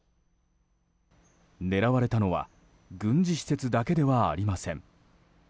狙われたのは軍事施設だけではありません。